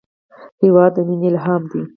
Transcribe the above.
هېواد د مینې الهام دی.